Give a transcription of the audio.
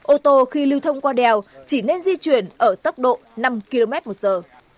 ô tô khi lưu thông qua đèo chỉ nên di chuyển ở tốc độ năm km một giờ